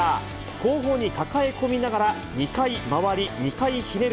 後方に抱え込みながら２回回り、２回ひねる